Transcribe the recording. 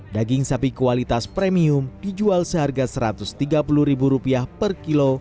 daging sapi kualitas premium dijual seharga rp satu ratus tiga puluh per kilo